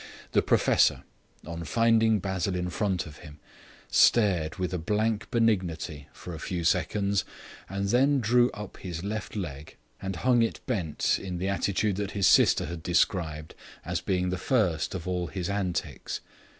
The professor, on finding Basil in front of him, stared with a blank benignity for a few seconds, and then drew up his left leg and hung it bent in the attitude that his sister had described as being the first of all his antics.